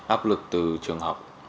áp lực từ trường học